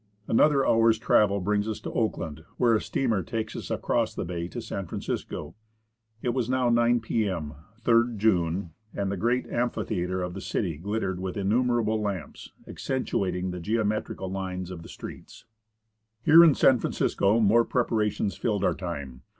Another hour's travel brings us to Oakland, where a steamer takes us across the bay to San Francisco. It was now 9 p.m., 3rd June, and the great amphitheatre of the city glittered with innumerable lamps, accentuating the geometrical lines of the streets. Here in San Francisco more preparations filled our time.